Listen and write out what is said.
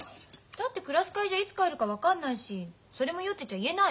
だってクラス会じゃいつ帰るか分かんないしそれも酔ってちゃ言えない。